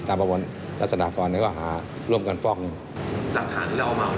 ตามประวัติรัฐศาสตรากรก็หาร่วมกันฟอกเงิน